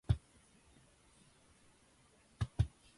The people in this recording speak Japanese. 無駄に集めた段ボールの処理に困る。